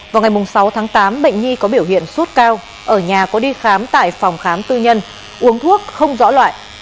vào ngày sáu tháng tám bệnh nhi có biểu hiện sốt cao ở nhà có đi khám tại phòng khám tư nhân uống thuốc không rõ loại